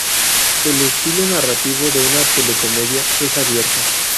El estilo narrativo de una telecomedia es abierto.